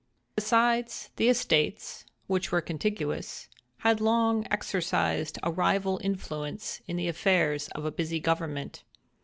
Besides, the estates, which were contiguous, had long exercised a rival influence in the affairs of a busy government.